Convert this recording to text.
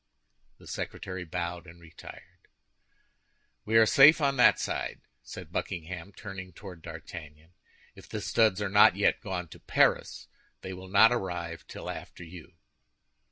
The secretary bowed and retired. "We are safe on that side," said Buckingham, turning toward D'Artagnan. "If the studs are not yet gone to Paris, they will not arrive till after you."